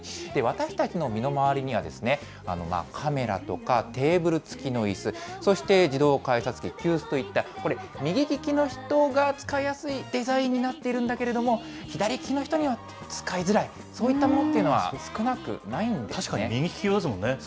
私たちの身の回りにはですね、カメラとか、テーブル付きのいす、そして自動改札機、きゅうすといった、これ、右利きの人が使いやすいデザインになっているんだけれども、左利きの人には使いづらい、そういったものというのは少なくないんで確かに右利き用ですもんね。